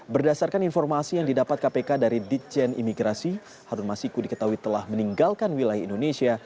berdasarkan informasi yang didapat kpk dari ditjen imigrasi harun masiku diketahui telah meninggalkan wilayah indonesia